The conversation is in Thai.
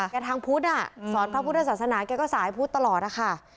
ทางพุทธอ่ะสอนพระพุทธศาสนาแกก็สายพุทธตลอดอะค่ะ